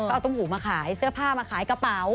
เอาตุ้มหูมาขายเสื้อผ้ามาขายกระเป๋า